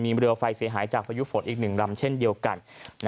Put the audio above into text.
มีเรือไฟเสียหายจากพายุฝนอีก๑ลำเช่นเดียวกัน